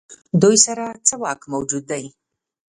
دوی سره څه واک موجود دی.